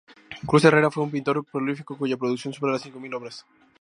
Cruz Herrera fue un pintor prolífico cuya producción supera las cinco mil obras.